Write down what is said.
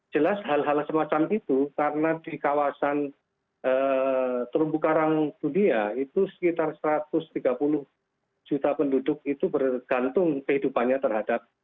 jelas hal hal semacam itu karena di kawasan terumbu karang dunia itu sekitar satu ratus tiga puluh juta penduduk itu bergantung kehidupannya terhadap